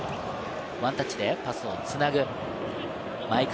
ワンタッチでパスをつなぐ毎熊。